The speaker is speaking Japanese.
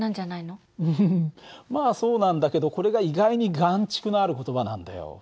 うんまあそうなんだけどこれが意外に含蓄のある言葉なんだよ。